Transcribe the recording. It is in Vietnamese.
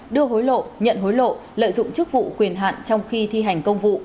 đưa hối lộ nhận hối lộ lợi dụng chức vụ quyền hạn trong khi thi hành công vụ